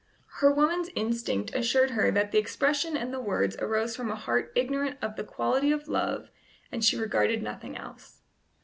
Her woman's instinct assured her that the expression and the words arose from a heart ignorant of the quality of love, and she regarded nothing else.